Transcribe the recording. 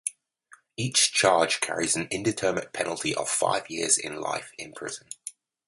Each charge carries an indeterminate penalty of five years to life in prison.